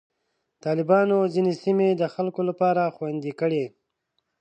طالبانو ځینې سیمې د خلکو لپاره خوندي کړې.